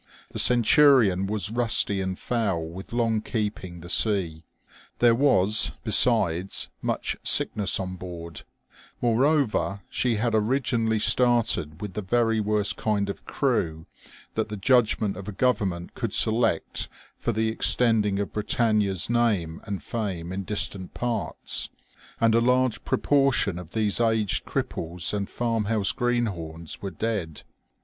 The Centurion was rusty and foul with long keeping the sea ; there was, besides, much sickness on board ; moreover, she had originally started with the very worst kind of crew that the judgment of a Government could select for the extending of Britannia's name and fame in distant parts ; and a large proportion of these aged cripples and farmhouse greenhorns were dead.